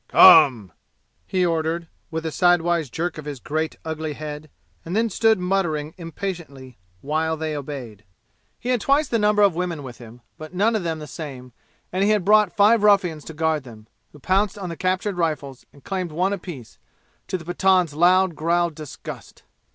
"Come!" he ordered, with a sidewise jerk of his great ugly head, and then stood muttering impatiently while they obeyed. He had twice the number of women with him, but none of them the same; and he had brought five ruffians to guard them, who pounced on the captured rifles and claimed one apiece, to the Pathan's loud growled disgust.